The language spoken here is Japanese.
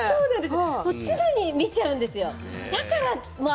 常に見ちゃうんです。